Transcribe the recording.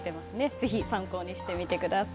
ぜひ参考にしてみてください。